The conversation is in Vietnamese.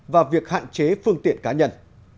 và việc hạn chế phương tiện cá nhân